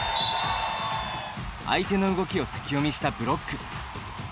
相手の動きを先読みしたブロック。